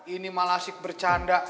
ini malah asyik bercanda